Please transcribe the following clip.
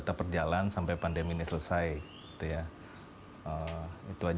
keputusan kunci data internet